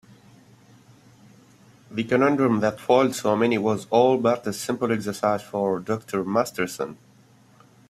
The conundrum that foiled so many was all but a simple exercise for Dr. Masterson.